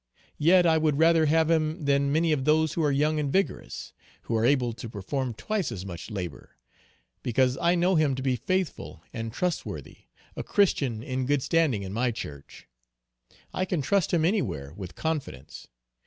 Yet I would rather have him than many of those who are young and vigorous; who are able to perform twice as much labor because I know him to be faithful and trustworthy, a Christian in good standing in my church. I can trust him anywhere with confidence.